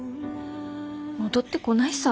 戻ってこないさ。